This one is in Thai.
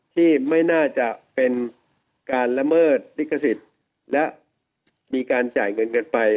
ที่ไม่น่าจะเป็นการละเมิดลิขสิทธิ์และมีการจ่ายเงินกันไป